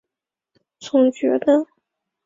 总觉得还不如先前看到的好